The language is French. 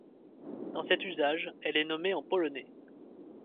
Dans cet usage, elle est nommée en polonais.